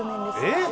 えっ！